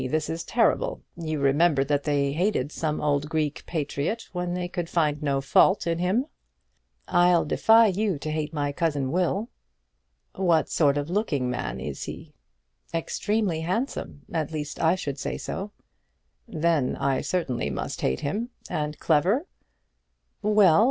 This is terrible! You remember that they hated some old Greek patriot when they could find no fault in him?" "I'll defy you to hate my cousin Will." "What sort of looking man is he?" "Extremely handsome; at least I should say so." "Then I certainly must hate him. And clever?"